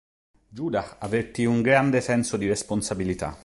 Judah avvertì un grande senso di responsabilità.